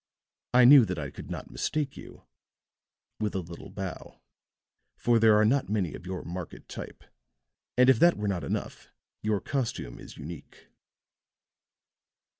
I knew that I could not mistake you," with a little bow, "for there are not many of your marked type, and if that were not enough, your costume is unique."